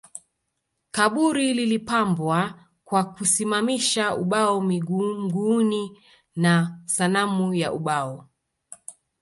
Kaburi lilipambwa kwa kusimamisha ubao mguuni na sanamu ya ubao